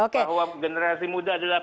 bahwa generasi muda adalah